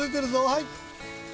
はい！